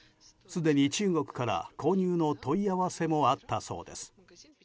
すでに中国から購入の問い合わせもあったそうです。